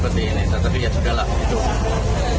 pertanyaan pertanyaan yang sangat menyudutkan